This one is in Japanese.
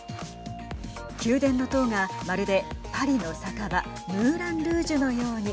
宮殿の塔が、まるでパリの酒場ムーラン・ルージュのように。